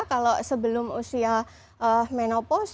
kalau sebelum usia menopaus